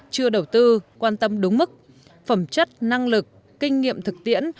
chưa đầu tư quan tâm đúng mức phẩm chất năng lực kinh nghiệm thực tiễn